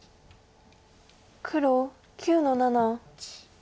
黒９の七。